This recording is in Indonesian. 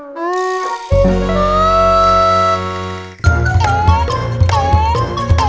selepas hal itu kita sarankan yesus nisa